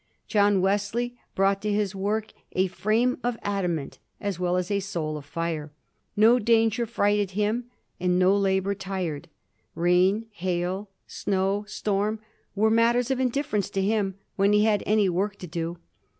John Wesley brought to his work "a frame of adamant" as well as "a soul of fire." No danger fright ed him, and no labor tired. Rain, hail, snow, storm, were matters of indifference to him when he had any work to do.